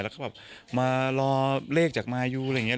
แล้วก็แบบมารอเลขจากมายูอะไรอย่างนี้